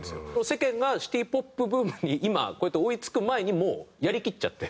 世間がシティ・ポップブームに今こうやって追い付く前にもうやりきっちゃって。